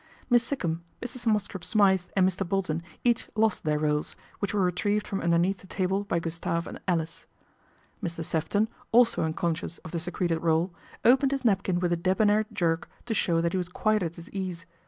Miss Sikkum, Mrs. Mosscrop Smythe and Mr. Bolton each lost their rolls, which were retrieved from underneath the table by Gustave and Alice. GALVIN HOUSE MEETS A LORD 197 Mr. Sefton, also unconscious of the secreted roll, opened his napkin with a debonair jerk to show that he was quite at his ease.